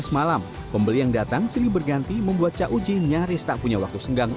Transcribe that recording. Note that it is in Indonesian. sebelas malam pembeli yang datang sering berganti membuat cauji nyaris tak punya waktu senggang